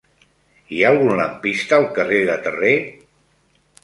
Hi ha algun lampista al carrer de Terré?